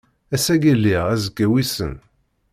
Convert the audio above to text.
Ass-agi lliɣ, azekka wissen.